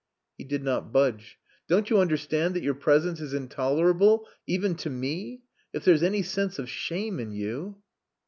He did not budge. "Don't you understand that your presence is intolerable even to me? If there's any sense of shame in you...."